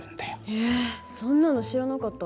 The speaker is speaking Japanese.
えそんなの知らなかった。